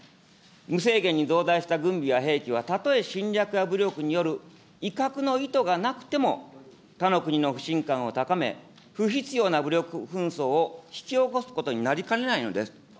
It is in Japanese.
無制限に増大した軍備や兵器はたとえ侵略や武力による威嚇の意図がなくとも、他の国の不信感を高め、不必要な武力紛争を引き起こすことになりかねないのです。